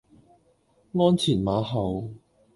鞍前馬後